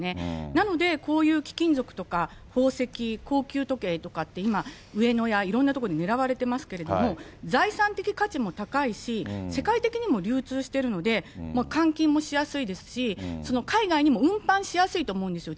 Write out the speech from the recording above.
なので、こういう貴金属とか、宝石、高級時計とかって、今、上野やいろんな所で狙われてますけれども、財産的価値も高いし、世界的にも流通してるので、換金もしやすいですし、その海外にも運搬しやすいと思うんですよ。